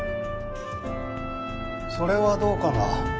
それはどうかな。